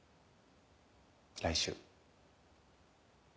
来週。